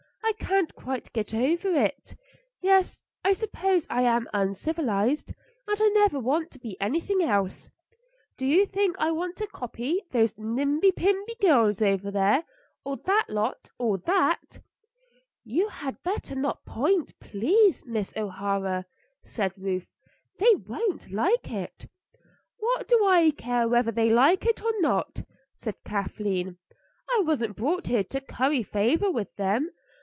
I can't quite get over it. Yes, I suppose I am uncivilised, and I never want to be anything else. Do you think I want to copy those nimby pimby girls over there, or that lot, or that?" "You had better not point, please, Miss O'Hara," said Ruth. "They won't like it." "What do I care whether they like it or not?" said Kathleen. "I wasn't brought here to curry favor with them.